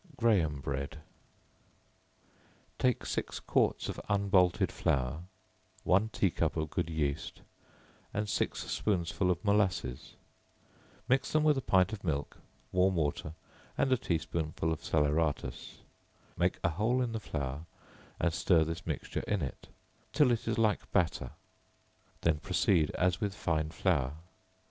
Graham Bread. Take six quarts of unbolted flour, one tea cup of good yeast, and six spoonsful of molasses; mix them with a pint of milk, warm water, and a tea spoonful of salaeratus; make a hole in the flour and stir this mixture in it, till it is like batter; then proceed as with fine flour.